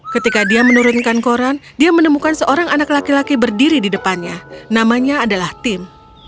ketika dia menurunkan koran dia menemukan seorang anak laki laki berdiri di depannya namanya adalah tim